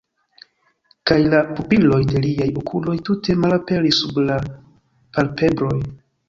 Kaj la pupiloj de liaj okuloj tute malaperis sub la palpebroj.